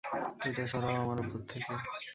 এটা সরাও আমার ওপর থেকে।